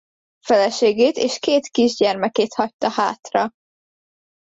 Feleségét és két kisgyermekét hagyta hátra.